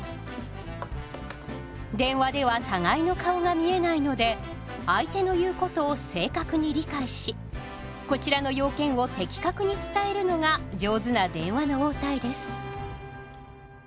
電話では互いの顔が見えないので相手の言うことを正確に理解しこちらの要件を的確に伝えるのが上手な電話の応対です。